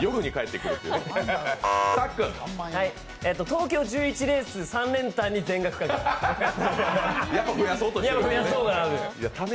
東京１１レース３連単に全部賭けた。